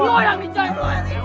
loh yang licik